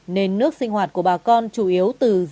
nên nước sinh hoạt của bà con chủ yếu từ rừng